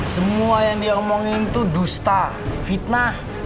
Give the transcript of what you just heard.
semua yang dia omongin tuh dusta fitnah